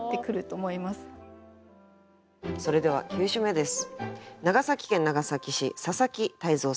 それでは９首目です。